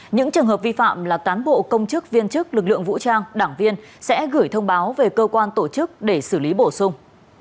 những trường hợp vi phạm là cán bộ công chức viên chức lực lượng vũ trang đảng viên sẽ gửi thông báo về cơ quan tổ chức để xử lý bổ sung